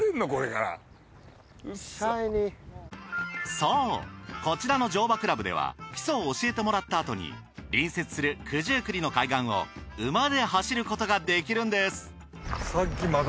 そうこちらの乗馬クラブでは基礎を教えてもらったあとに隣接する九十九里の海岸を馬で走ることができるんです。